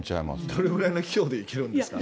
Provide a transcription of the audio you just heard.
どれぐらいの費用でいけるんですかね。